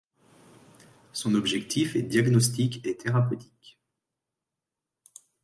Son objectif est diagnostic et thérapeutique.